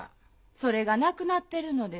それがなくなってるのです。